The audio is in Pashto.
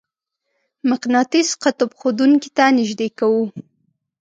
مقناطیس قطب ښودونکې ته نژدې کوو.